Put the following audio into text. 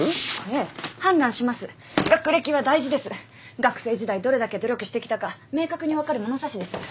学生時代どれだけ努力してきたか明確に分かる物差しです。